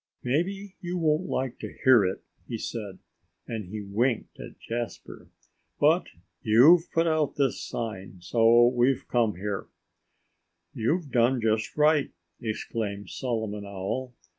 "Maybe you won't like to hear it," he said. And he winked at Jasper. "But you've put out this sign—so we've come here." "You've done just right!" exclaimed Solomon Owl.